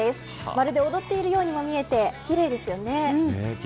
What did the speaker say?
まるで踊っているようにも見えて奇麗ですよね。